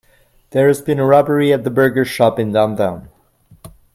There has been a robbery at the burger shop in downtown.